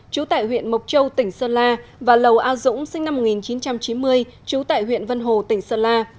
trú tại huyện mộc châu tỉnh sơn la và lầu a dũng sinh năm một nghìn chín trăm chín mươi trú tại huyện vân hồ tỉnh sơn la